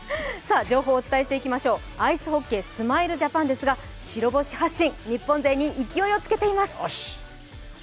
情報お伝えしていきましょう、アイスホッケースマイルジャパンですが白星発進、日本勢に勢いをつけています。